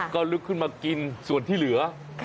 ก็ลุกขึ้นมากินส่วนที่เหลือ